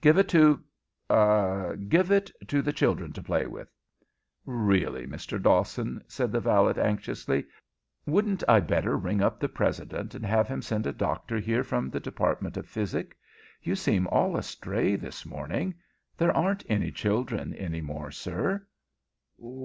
Give it to ah give it to the children to play with." "Really, Mr. Dawson," said the valet, anxiously, "wouldn't I better ring up the President and have him send a doctor here from the Department of Physic? You seem all astray this morning. There aren't any children any more, sir."